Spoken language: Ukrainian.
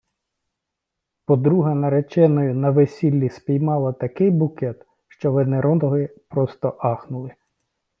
Подруга нареченої на весіллі спіймала такий букет, що венерологи просто ахнули!